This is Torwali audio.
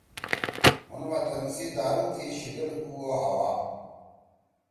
مھون وطن سی دارُو تھی شیِدل او وھوا